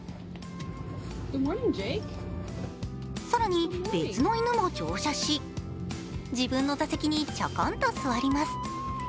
更に、別の犬も乗車し自分の座席にちょこんと座ります。